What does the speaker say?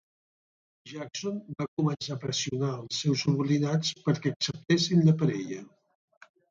Jackson va començar a pressionar els seus subordinats perquè acceptessin la parella.